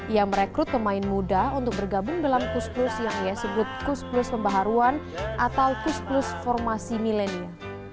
ia merekrut pemain muda untuk bergabung dalam kus plus yang ia sebut kus plus pembaharuan atau kus plus formasi milenial